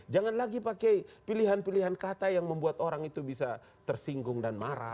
jangan lagi pakai pilihan pilihan kata yang membuat orang itu bisa tersinggung dan marah